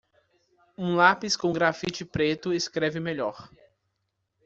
Um lápis com grafite preto escreve melhor.